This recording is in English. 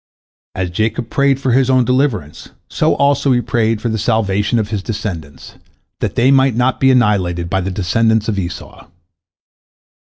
As Jacob prayed for his own deliverance, so also he prayed for the salvation of his descendants, that they might not be annihilated by the descendants of Esau.